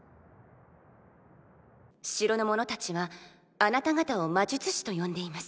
城の者たちはあなた方を魔術師と呼んでいます。